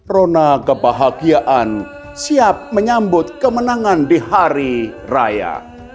rona kebahagiaan siap menyambut kemenangan di hari raya